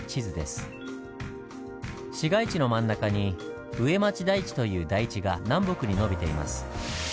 市街地の真ん中に「上町台地」という台地が南北にのびています。